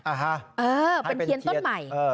อ่าฮะให้เป็นเทียนเป็นเทียนต้นใหม่